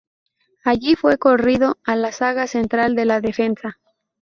Allí fue corrido a la zaga central de la defensa.